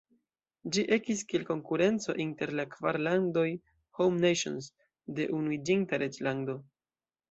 Ĝi ekis kiel konkurenco inter la kvar landoj "Home Nations" de Unuiĝinta Reĝlando.